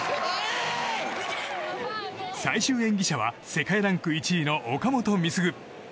最終演技者は世界ランク１位の岡本碧優。